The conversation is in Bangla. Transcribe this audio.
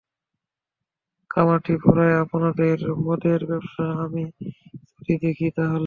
কামাঠিপুরায় আপনার মদের ব্যবসা আমি যদি দেখি, তাহলে?